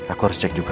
aku harus cek juga